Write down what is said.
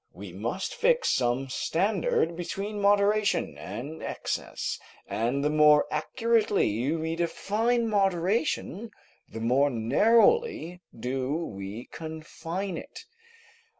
We must fix some standard between moderation and excess, and the more accurately we define moderation, the more narrowly do we confine it.